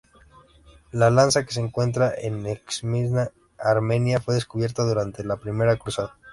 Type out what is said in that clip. La lanza que se encuentra en Echmiadzin, Armenia, fue descubierta durante la Primera Cruzada.